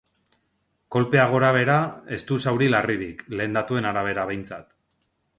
Kolpea gorabehera, ez du zauri larririk, lehen datuen arabera behintzat.